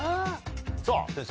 さぁ先生